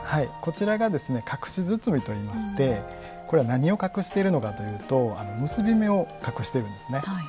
こちらが隠し包みといいましてこれは何を隠しているのかというと結び目を隠しているんですね。